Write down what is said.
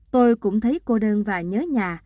tôi cũng thấy cô đơn và nhớ nhà